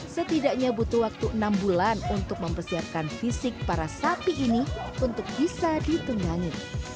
setidaknya butuh waktu enam bulan untuk mempersiapkan fisik para sapi ini untuk bisa ditunggangi